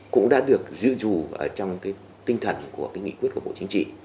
cũng đã được dự dù trong tinh thần của nghị quyết của bộ chính trị